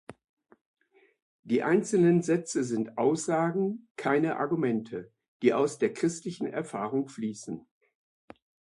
Die einzelnen Sätze sind Aussagen, keine Argumente, die aus der christlichen Erfahrung fließen.